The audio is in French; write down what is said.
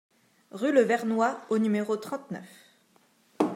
Rue Le Vernois au numéro trente-neuf